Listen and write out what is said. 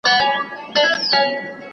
ځینې کریمونه باکتریوفاج فعالوي.